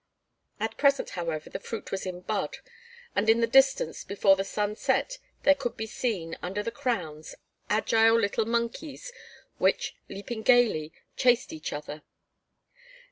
At present, however, the fruit was in bud, and in the distance before the sun set there could be seen, under the crowns, agile little monkeys, which, leaping gaily, chased each other.